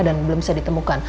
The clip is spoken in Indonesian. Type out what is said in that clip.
dan belum bisa ditemukan